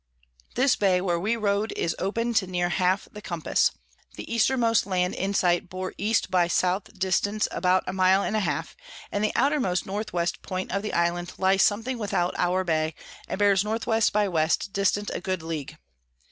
This Bay where we rode is open to near half the Compass; the Eastermost Land in sight bore E by S. dist. about a mile and a half, and the outermost Northwest Point of the Island lies something without our Bay, and bears N W by W. dist. a good League.